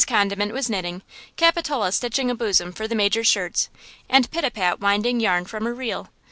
Condiment was knitting, Capitola stitching a bosom for the major's shirts and Pitapat winding yarn from a reel.